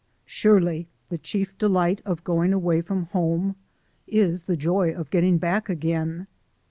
Surely the chief delight of going away from home is the joy of getting back again.